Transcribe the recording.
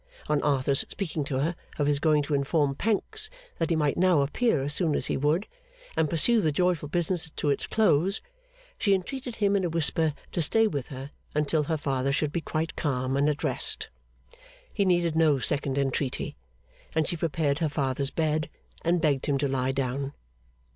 On Arthur's speaking to her of his going to inform Pancks that he might now appear as soon as he would, and pursue the joyful business to its close, she entreated him in a whisper to stay with her until her father should be quite calm and at rest. He needed no second entreaty; and she prepared her father's bed, and begged him to lie down.